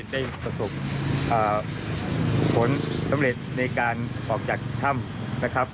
ได้ประสบผลสำเร็จในการออกจากถ้ำนะครับ